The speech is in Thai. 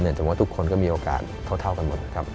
แต่ว่าทุกคนก็มีโอกาสเท่ากันหมดครับ